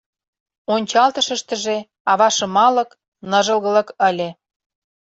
Ончалтышыштыже ава шымалык, ныжылгылык ыле.